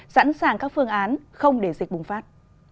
sẵn sàng các phương án không để dịch bùng phát